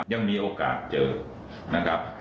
ยังมีโอกาสเจอนะครับ